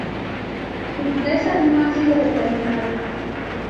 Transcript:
Su dureza no ha sido determinada.